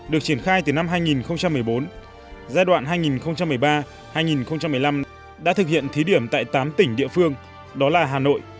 được triển khai từ năm hai nghìn một mươi bốn giai đoạn hai nghìn một mươi ba hai nghìn một mươi năm đã thực hiện thí điểm tại tám tỉnh địa phương đó là hà nội